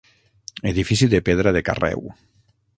Edifici de pedra de carreu.